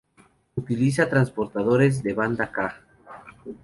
Utiliza transpondedores de banda Ka.